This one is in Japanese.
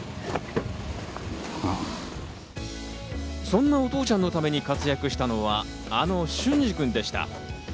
そんなお父ちゃんのために活躍したのはあの隼司君でした。